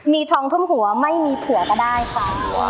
มีทองทุ่มหัวไม่มีเผื่อก็ได้ค่ะ